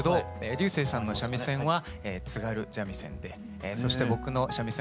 彩青さんの三味線は津軽三味線でそして僕の三味線は和三味線で。